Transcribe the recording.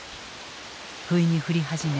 不意に降り始め